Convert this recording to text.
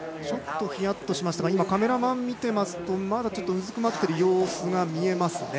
ちょっとヒヤッとしましたがカメラマン見てますとまだ、うずくまっている様子が見えます。